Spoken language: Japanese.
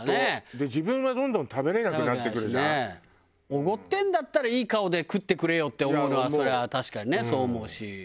おごってんだったらいい顔で食ってくれよって思うのはそりゃ確かにねそう思うし。